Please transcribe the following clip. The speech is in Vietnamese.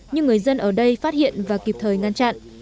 nhưng người dân ở đây phát hiện và kịp thời ngăn chặn